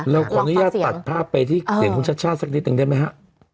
เราขออนุญาตตัดภาพไปที่เสียงคุณชาติชาติสักนิดนึงได้ไหมฮะ